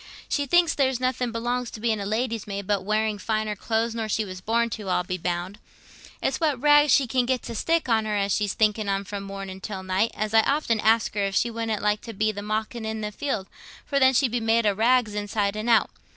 She thinks there's nothing belongs to being a lady's maid but wearing finer clothes nor she was born to, I'll be bound. It's what rag she can get to stick on her as she's thinking on from morning till night, as I often ask her if she wouldn't like to be the mawkin i' the field, for then she'd be made o' rags inside and out.